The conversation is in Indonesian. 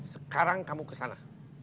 sekarang kamu ke sana